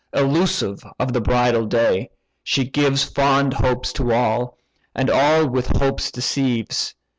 Elusive of the bridal day, she gives Fond hopes to all, and all with hopes deceives.